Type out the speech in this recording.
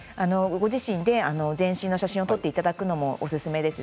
ご自身で全身の写真を撮っていただくのもおすすめです。